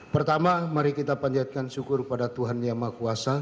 pertama mari kita panjatkan syukur pada tuhan yang maha kuasa